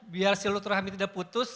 biar silut rahami tidak putus